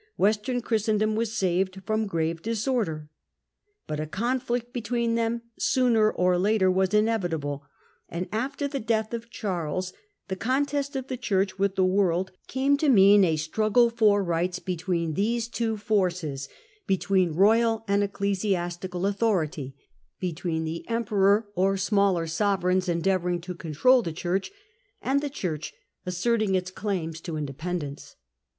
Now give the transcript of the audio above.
Western Christendom was saved from grave disorder ; but a conflict between them sooner or later was inevitable, and after the death of Charles the contest of the Church with the world came to mean a struggle for rights between these Digitized by VjOOQIC Introductory 3 two forces, between royal and ecclesiastical authority, between the emperor or smaller sovereigns endeavour ing to control the Church, and the Church asserting its claims to independence.